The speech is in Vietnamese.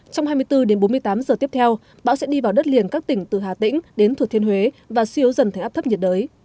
trong hai mươi bốn đến bốn mươi tám giờ tiếp theo bão sẽ đi vào đất liền các tỉnh từ hà tĩnh đến thừa thiên huế và siêu dần thành áp thấp nhiệt đới